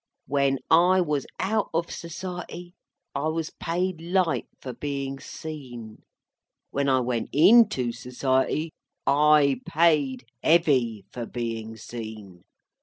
When I was out of Society, I was paid light for being seen. When I went into Society, I paid heavy for being seen.